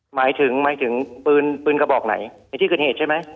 หมายถึงหมายถึงปืนปืนกระบอกไหนในที่เกิดเหตุใช่ไหม